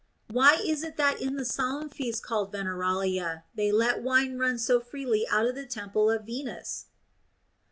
Why is it that in the solemn feast called Yeneralia they let wine run so freely out of the temple of Venus